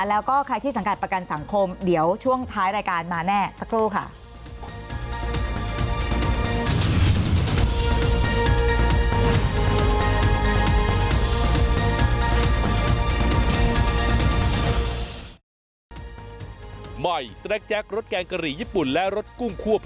แล้วก็ใครที่สังกัดประกันสังคมเดี๋ยวช่วงท้ายรายการมาแน่สักครู่ค่ะ